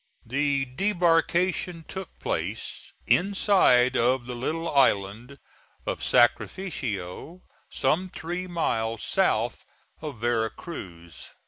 The debarkation took place inside of the little island of Sacrificios, some three miles south of Vera Cruz.